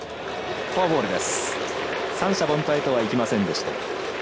三者凡退とはいきませんでした。